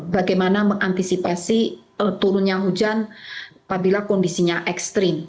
bagaimana mengantisipasi turunnya hujan apabila kondisinya ekstrim